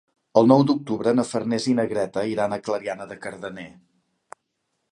El nou d'octubre na Farners i na Greta iran a Clariana de Cardener.